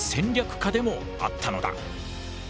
家でもあったのだ。